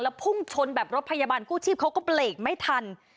พุ่งชนแบบรถพยาบาลกู้ชีพเขาก็เบรกไม่ทัน